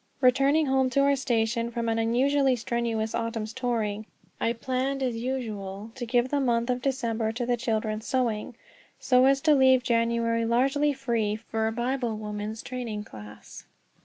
Returning home to our station from an unusually strenuous autumn's touring, I planned as usual to give the month of December to the children's sewing, so as to leave January largely free for a Bible women's training class.